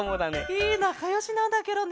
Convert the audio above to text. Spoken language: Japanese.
へえなかよしなんだケロね。